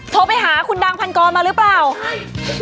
โทรไปหาคุณดังพันกรมาหรือเปล่าใช่